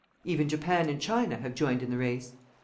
Even Japan and China have joined in the race.